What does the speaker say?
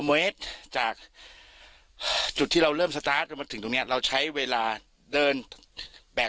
เมตรจากจุดที่เราเริ่มสตาร์ทมาถึงตรงเนี้ยเราใช้เวลาเดินแบบ